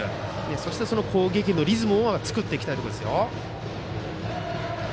そして、攻撃へのリズムを作っていきたいですね。